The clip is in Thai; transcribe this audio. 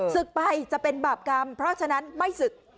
ศึกไปจะเป็นบาปกรรมเพราะฉะนั้นไม่ศึก